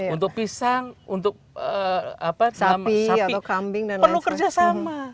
untuk pisang untuk sapi penuh kerja sama